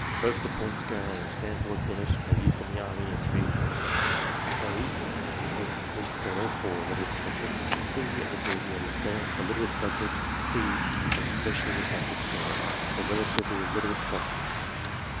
Both the Point Scale and the Stanford Binet are used in the Army in three forms: (a) as complete scales, for literate subjects, (b) as abbreviated scales, for literate subjects, (c) as specially adapted scales, for relatively illiterate subjects.